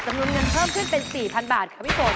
จำนวนเงินเพิ่มขึ้นเป็น๔๐๐๐บาทคะวิโศธ